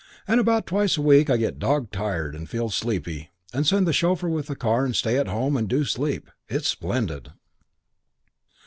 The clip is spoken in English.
"And about twice a week I get dog tired and feel sleepy and send the chauffeur with the car and stay at home and do sleep. It's splendid!"